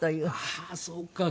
ああーそうか。